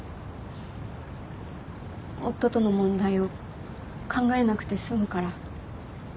夫との問題を考えなくて済むから。